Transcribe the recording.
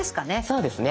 そうですね